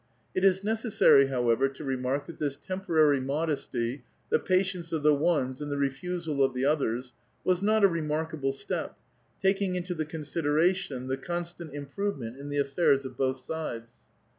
It is necessaiy, however, to remark that this teniiH)rary modesty, the patience of the ones and the re fusal of tlie others, was not a remarkable step, taking into the consideration the constant improvement in the affairs of both sides.